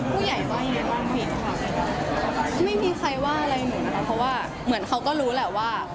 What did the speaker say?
ผู้ใหญ่ว่ายังไงบ้างเห็นค่ะไม่มีใครว่าอะไรหนูนะคะเพราะว่าเหมือนเขาก็รู้แหละว่า